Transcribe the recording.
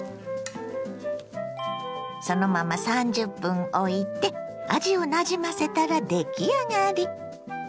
そのまま３０分おいて味をなじませたら出来上がり。